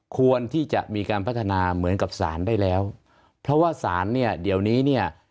ควรที่จะมีการพัฒนาเหมือนกับสารได้แล้วเพราะว่าสารเนี่ยเดี๋ยวนี้เนี่ย